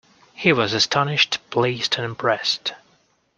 He was astonished, pleased and impressed.